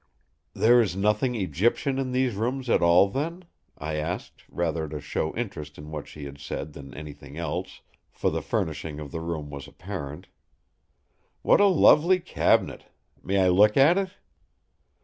"There is nothing Egyptian in these rooms at all then?" I asked, rather to show interest in what she had said than anything else, for the furnishing of the room was apparent. "What a lovely cabinet! May I look at it?"